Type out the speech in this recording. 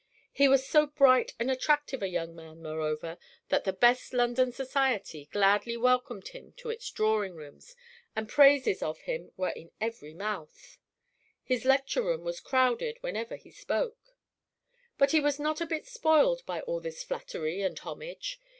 He was so bright and attractive a young man, moreover, that the best London society gladly welcomed him to its drawing rooms, and praises of him were in every mouth. His lecture room was crowded whenever he spoke. But he was not a bit spoiled by all this flattery and homage.